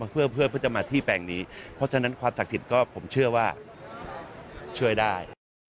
เพื่อจะมาที่แปลงนี้เพราะฉะนั้นความศักดิ์สิทธิ์ก็ผมเชื่อว่าช่วยได้